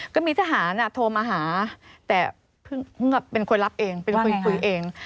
ก็มีทหารโทรมาหาแต่เป็นคนรับเองเป็นคนคุยเอง